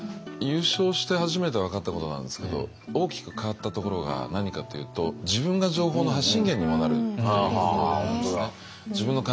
優勝して初めて分かったことなんですけど大きく変わったところが何かというと自分が情報の発信源にもなるということなんですね。